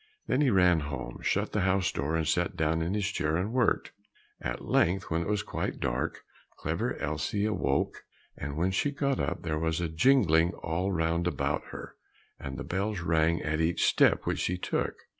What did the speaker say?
Then he ran home, shut the house door, and sat down in his chair and worked. At length, when it was quite dark, Clever Elsie awoke and when she got up there was a jingling all round about her, and the bells rang at each step which she took.